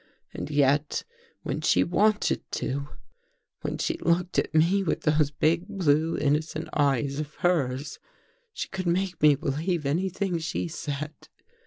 And yet, when she wanted to — when she looked at me with those big blue, innocent eyes of hers, she could make me believe anything she said.